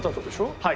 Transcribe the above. はい。